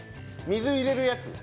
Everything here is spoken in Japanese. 水入れるやつ。